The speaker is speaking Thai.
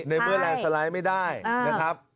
ในเมื่อแรงสลัยไม่ได้นะครับ